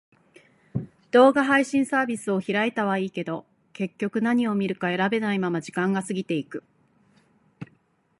動画配信サービスを開いたはいいけど、結局何を見るか選べないまま時間が過ぎていく。